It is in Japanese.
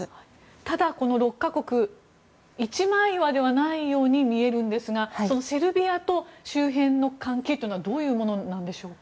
ただ、この６か国一枚岩ではないように見えるんですがセルビアと周辺の関係というのはどういうものなんでしょうか。